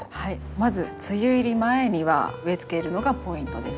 まず梅雨入り前には植えつけるのがポイントです。